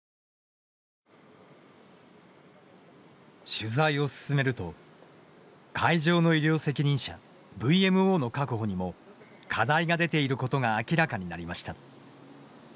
取材を進めると会場の医療責任者ＶＭＯの確保にも課題が出ていることが明らかになりました。